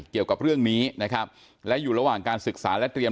เกี่ยวกับเรื่องนี้นะครับและอยู่ระหว่างการศึกษาและเตรียม